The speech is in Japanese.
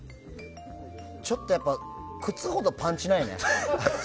ちょっとやっぱ靴ほどパンチないね。